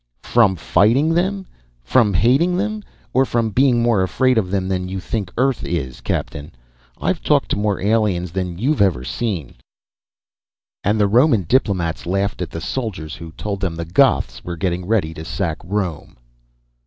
"From fighting them? From hating them? Or from being more afraid of them than you think Earth is, captain? I've talked to more aliens than you've ever seen." "And the Roman diplomats laughed at the soldiers who told them the Goths were getting ready to sack Rome."